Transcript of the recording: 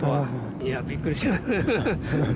いや、びっくりしました。